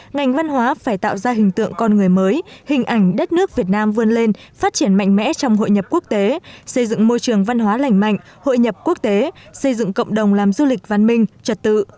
ngành văn hóa phải tạo ra hình tượng con người mới hình ảnh đất nước việt nam vươn lên phát triển mạnh mẽ trong hội nhập quốc tế xây dựng môi trường văn hóa lành mạnh hội nhập quốc tế xây dựng cộng đồng làm du lịch văn minh trật tự